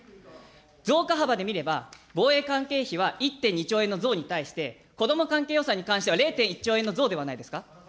増加幅で見れば、防衛関係費は１．２兆円の増に対して、子ども関係予算に関しては、０．１兆円の増ではないですか。